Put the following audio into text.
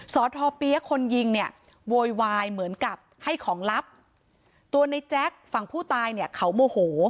สทเปี๊ยกคนยิงเนี่ยโวยวายเหมือนกับให้ของลับตัวในแจ๊กฝั่งผู้ตายเนี่ยเขาโมโห